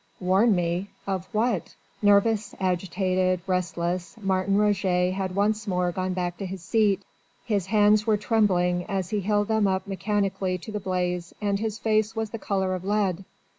"Warn me? Of what?" Nervous, agitated, restless, Martin Roget had once more gone back to his seat: his hands were trembling as he held them up mechanically to the blaze and his face was the colour of lead.